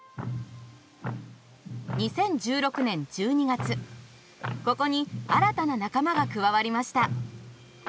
２０１６年１２月ここに新たな仲間が加わりました。